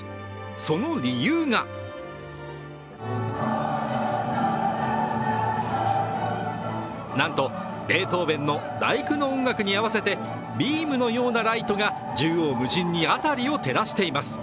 その理由がなんと、ベートーヴェンの「第９」の音楽に合わせてビームのようなライトが縦横無尽に辺りを照らしています。